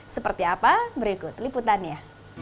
seperti apa berikut liputannya